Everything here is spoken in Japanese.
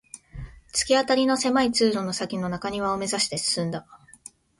突き当たりの狭い通路の先の中庭を目指して進んだ